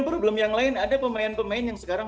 problem yang lain ada pemain pemain yang sekarang